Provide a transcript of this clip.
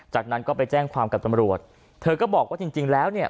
จากนั้นก็ไปแจ้งความกับตำรวจเธอก็บอกว่าจริงจริงแล้วเนี่ย